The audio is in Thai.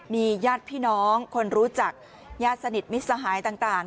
มีญาติพี่น้องคนรู้จักญาติสนิทมิตรสหายต่าง